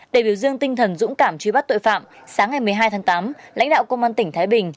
để biểu dương tinh thần dũng cảm truy bắt tội phạm sáng ngày một mươi hai tháng tám lãnh đạo công an tỉnh thái bình